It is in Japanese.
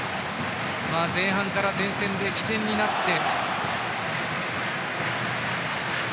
前半から前線で起点になって。